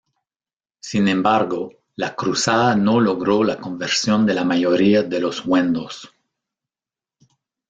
Sin embargo, la cruzada no logró la conversión de la mayoría de los wendos.